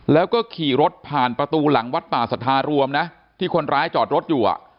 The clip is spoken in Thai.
แล้วก็ขี่รถผ่านประตูหลังวัดป่าสัทธารวมนะที่คนร้ายจอดรถอยู่อ่ะ